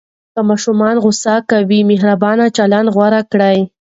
که ماشوم غوصه کوي، مهربانه چلند غوره کړئ.